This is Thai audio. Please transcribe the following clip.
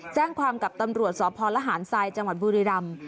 แจ้งความกับตำรวจสพลหารทรายจังหวัดบุรีรำ